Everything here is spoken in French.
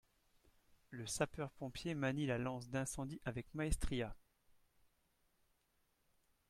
Le sapeur pompier manie la lance d'incendie avec maestria